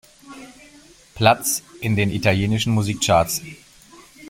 Platz in den italienischen Musikcharts.